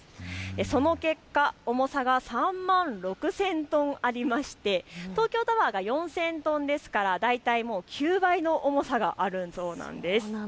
その結果、重さが３万６０００トンあって東京タワーが４０００トンなので大体９倍くらいの重さがあるそうなんです。